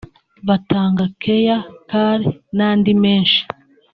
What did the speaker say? batanga keya (Care) n’andi menshi